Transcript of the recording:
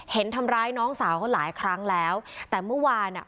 เห็นทำร้ายน้องสาวเขาหลายครั้งแล้วแต่เมื่อวานอ่ะ